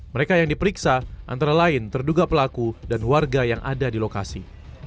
mereka yang diperiksa antara lain terduga pelaku dan warga yang ada di lokasi